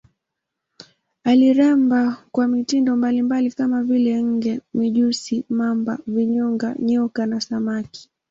Aliremba kwa mitindo mbalimbali kama vile nge, mijusi, mamba, vinyonga, nyoka na samaki.